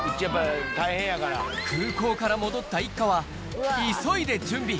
空港から戻った一家は、急いで準備。